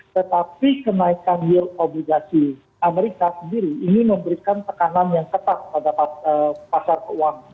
tetapi kenaikan yield obligasi amerika sendiri ini memberikan tekanan yang ketat pada pasar keuangan